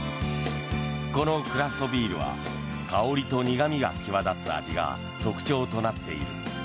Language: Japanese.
このクラフトビールは香りと苦味が際立つ味が特徴となっている。